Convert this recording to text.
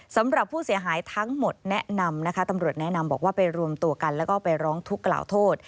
สำหรับผู้เสียหายทั้งหมดแนะนำนะคะตำรวจแนะนำบอกว่าไปรวมตัวกันแล้วก็ไปร้องทุกข์กล่าวโทษ